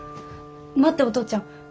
待ってお父ちゃん。